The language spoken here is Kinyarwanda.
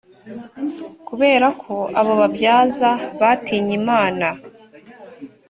kubera ko abo babyaza batinye imana